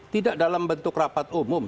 tidak dalam bentuk rapat umum